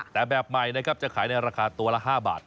แต่แบบใหม่นะครับจะขายในราคาตัวละ๕บาท